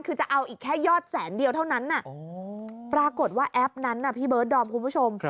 คือจะเอาอีกแค่ยอดแสนเดียวเท่านั้นปรากฏว่าแอปนั้นพี่เบิร์ดดอมคุณผู้ชม